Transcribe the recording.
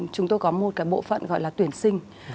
chúng tôi có một cái bộ phận gọi là tuyển sinh